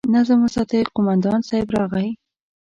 نظم وساتئ! قومندان صيب راغی!